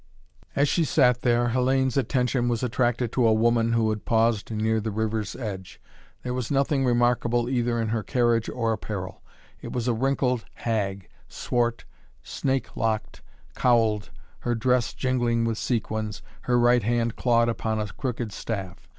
As she sat there, Hellayne's attention was attracted to a woman who had paused near the river's edge. There was nothing remarkable either in her carriage or apparel. It was a wrinkled hag, swart, snake locked, cowled, her dress jingling with sequins, her right hand clawed upon a crooked staff.